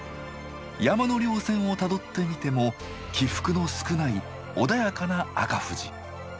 山の稜線をたどってみても起伏の少ない穏やかな赤富士。